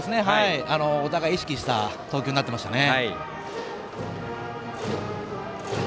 お互い、意識した投球になってましたね。